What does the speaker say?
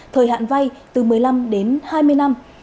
thời hạn vay từ một mươi năm đến hai mươi năm